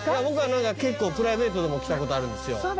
僕は結構プライベートでも来たことあるんですよ。